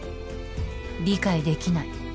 理解できない。